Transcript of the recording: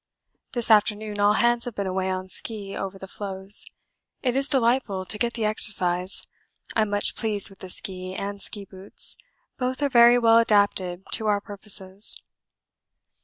This afternoon all hands have been away on ski over the floes. It is delightful to get the exercise. I'm much pleased with the ski and ski boots both are very well adapted to our purposes.